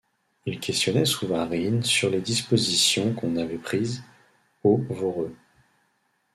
Il questionnait Souvarine sur les dispositions qu’on avait prises, au Voreux.